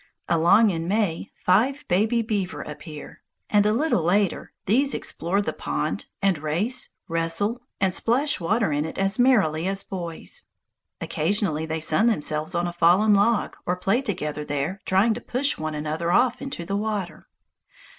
Along in May five baby beaver appear, and a little later these explore the pond and race, wrestle, and splash water in it as merrily as boys. Occasionally they sun themselves on a fallen log, or play together there, trying to push one another off into the water.